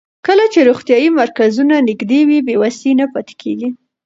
کله چې روغتیايي مرکزونه نږدې وي، بې وسۍ نه پاتې کېږي.